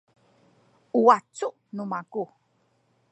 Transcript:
u wacu nu maku